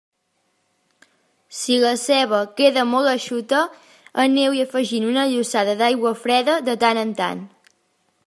Si la ceba queda molt eixuta, aneu-hi afegint una llossada d'aigua freda de tant en tant.